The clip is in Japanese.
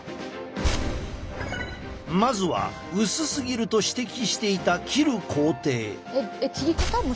まずは薄すぎると指摘していた切る工程。